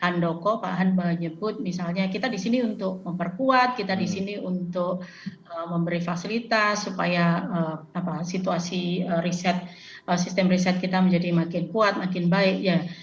misalnya begini kalau pak handoko pak handoko menyebut misalnya kita disini untuk memperkuat kita disini untuk memberi fasilitas supaya situasi sistem riset kita menjadi makin kuat makin baik ya